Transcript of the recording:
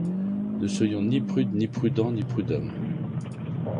Ne soyons ni prudes, ni prudents, ni prud'hommes.